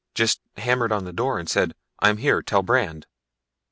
Just hammered on the door and said, '_I'm here, tell Brandd.